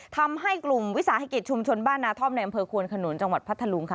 ทำให้กลุ่มวิสาหกิจชุมชนบ้านนาท่อมในอำเภอควนขนุนจังหวัดพัทธลุงค่ะ